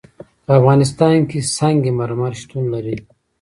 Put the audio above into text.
په افغانستان کې سنگ مرمر شتون لري.